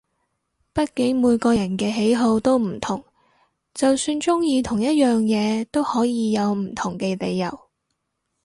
畢竟每個人嘅喜好都唔同，就算中意同一樣嘢都可以有唔同嘅理由